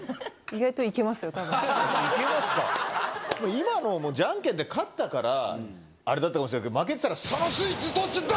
今のはじゃんけんで勝ったからあれだったかもしれないけど負けてたら。